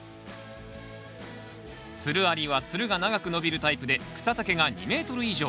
つるありはつるが長く伸びるタイプで草丈が２ｍ以上。